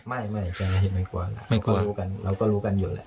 ไม่ไม่ใช่รู้กันเราก็รู้กันอยู่แหละ